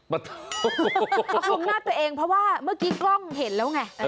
มาชมหน้าตัวเองเพราะว่าเมื่อกี้กล้องเห็นแล้วไง